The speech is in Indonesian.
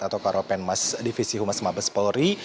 atau karopenmas divisi humas mabes polri